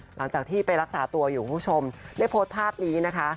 หลังจากที่ไปรักษาตัวอยู่คุณผู้ชมได้โพสต์ภาพนี้นะคะ